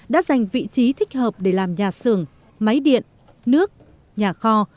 đã dành vị trí thích hợp để làm nhà xưởng máy điện nước nhà kho